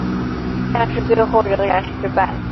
但是最后仍然失败。